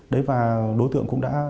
đấy và đối tượng cũng đã